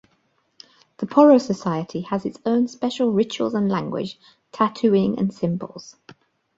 The Poro society has its own special rituals and language, tattooing and symbols.